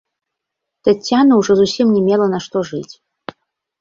Таццяна ўжо зусім не мела на што жыць.